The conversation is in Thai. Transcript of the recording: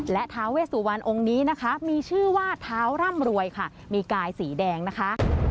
และท้าเวสุวรรณองค์นี้นะคะมีชื่อว่าเท้าร่ำรวยค่ะมีกายสีแดงนะคะ